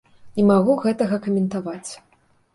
Не магу гэтага каментаваць.